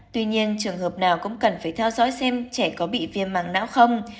tuy nhiên trường hợp nào cũng cần phải theo dõi xem trẻ có bị viêm mảng não không